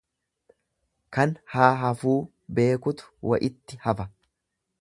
Kan haa hafuu beekutu wa'itti hafa.